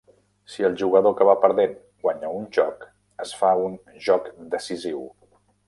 Si el jugador que va perdent guanya un joc, es fa un "joc decisiu".